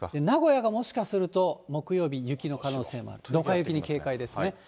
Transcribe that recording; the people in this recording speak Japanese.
名古屋がもしかすると木曜日、雪の可能性も、どか雪に警戒ですね。